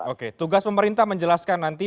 oke tugas pemerintah menjelaskan nanti